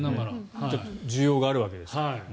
需要があるわけですから。